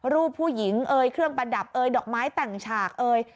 รูปผู้หญิงเอ่ยเครื่องประดับเอ่ยดอกไม้แต่งฉากเอ่ย